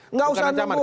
enggak usah nunggu